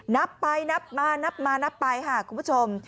นับไปนับมานับมานับไปค่ะคุณผู้ชม